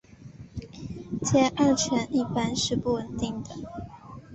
偕二醇一般是不稳定的。